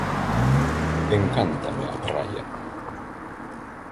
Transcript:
Encántame a praia.